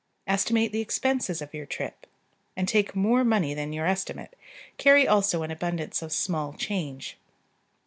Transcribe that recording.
Estimate the expenses of your trip, and take more money than your estimate. Carry also an abundance of small change.